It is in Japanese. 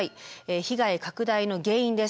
被害拡大の原因です。